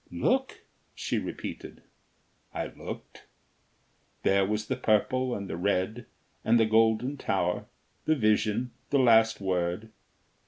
"Look!" she repeated. I looked. There was the purple and the red, and the golden tower, the vision, the last word.